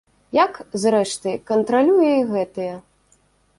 Як, зрэшты, кантралюе і гэтыя.